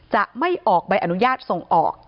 จะไม่ออกใบอนุญาตส่งออก